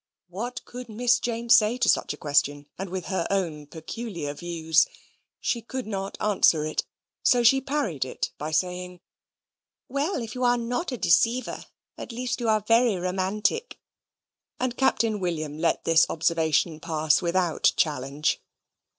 What could Miss Jane say to such a question, and with her own peculiar views? She could not answer it, so she parried it by saying, "Well, if you are not a deceiver, at least you are very romantic"; and Captain William let this observation pass without challenge.